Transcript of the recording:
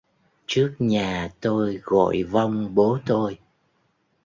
trước nhà tôi gọi vong bố tôi